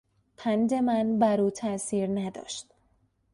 پند من بر او تاءثیر نداشت.